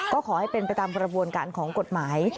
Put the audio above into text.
ก็ขอให้เป็นไปตามกระบวนการของกฎหมาย